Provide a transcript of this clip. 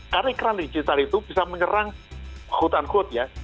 karena iklan digital itu bisa menyerang quote unquote ya